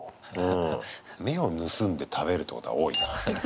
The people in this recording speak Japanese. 目を盗んで食べるってことが多いな。